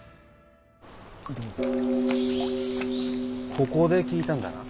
ここで聞いたんだな？